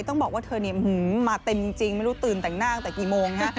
ต้องบอกว่าเธอเนี่ยมาเต็มจริงไม่รู้ตื่นแต่งหน้าตั้งแต่กี่โมงฮะ